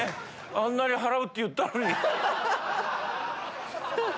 あんなに払うって言ったのに。